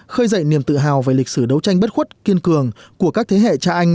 khơi dậy niềm tự hào về lịch sử đấu tranh bất khuất kiên cường của các thế hệ cha anh